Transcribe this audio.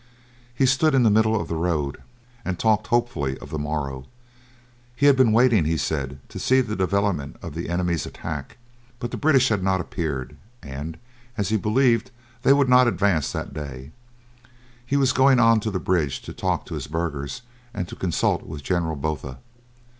He stood in the middle of the road, and talked hopefully of the morrow. He had been waiting, he said, to see the development of the enemy's attack, but the British had not appeared, and, as he believed they would not advance that day, he was going on to the bridge to talk to his burghers and to consult with General Botha.